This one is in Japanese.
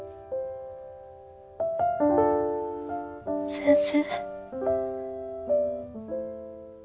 先生。